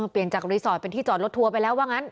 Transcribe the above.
เปลี่ยนจากรีสอร์ทเป็นที่จอดรถทัวร์ไปแล้วว่างั้น